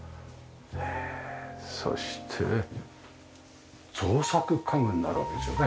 へえそして造作家具になるわけですよね。